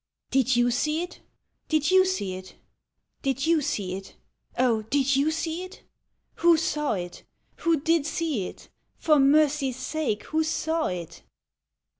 did you see it ? did you see it ? Oh ! did you see it ?— Who saw it ? Who did see it • For mercy's sake, who saw it